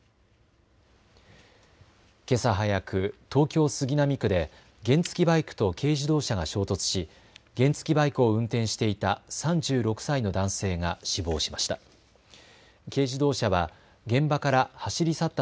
けさ早く、東京杉並区で原付きバイクと軽自動車が衝突し原付きバイクを運転していた３６歳の男性が死亡しました。